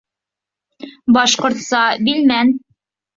Башҡортса билмән